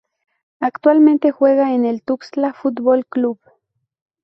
Actualmente juega en el Tuxtla Fútbol Club.